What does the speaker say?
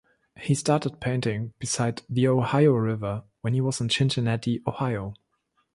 He started painting beside the Ohio River when he was in Cincinnati, Ohio.